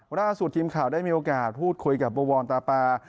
ล่าสุดทีมข่าวได้มีโอกาสพูดคุยกับบวรตาปา